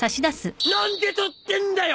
何で取ってんだよ！？